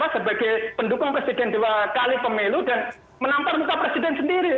sebagai pendukung presiden dua kali pemilu dan menampar muka presiden sendiri